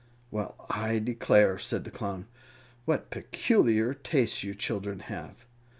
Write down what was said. "Well, I declare!" said the Clown. "What peculiar tastes you children have!"